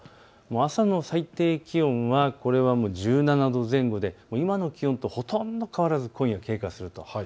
朝の最低気温は１７度前後で今の気温とほとんど変わらず今夜は経過すると。